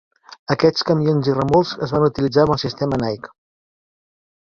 Aquests camions i remolcs es van utilitzar amb el sistema Nike.